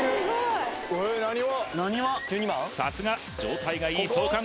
さすが状態がいい創刊